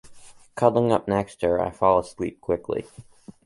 Cuddling up next to her, I fall asleep quickly.